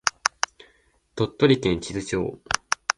鳥取県智頭町